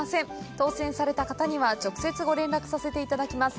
当せんされた方には直接ご連絡させていただきます。